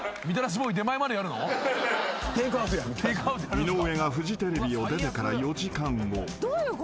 ［井上がフジテレビを出てから４時間後］